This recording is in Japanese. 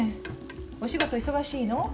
お仕事忙しいの？